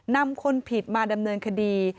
นำคนผิดมาดำเนินคดี